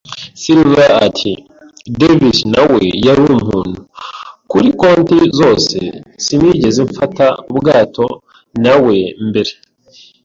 Silver ati: "Davis na we yari umuntu, kuri konti zose." “Sinigeze mfata ubwato na we; mbere